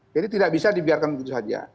jadi tidak bisa dibiarkan begitu saja